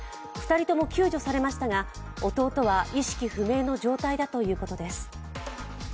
２人とも救助されましたが、弟は意識不明の状態だということです。